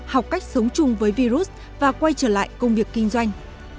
học cách sống chung với virus và quay trở lại công việc kinh doanh